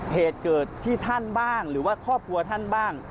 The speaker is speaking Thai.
เหตุเกิดที่ท่านบ้างหรือว่าครอบครัวท่านบ้าง